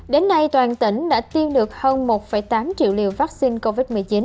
đến nay toàn tỉnh đã tiêm được hơn một tám triệu liều vaccine covid một mươi chín